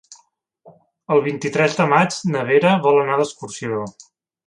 El vint-i-tres de maig na Vera vol anar d'excursió.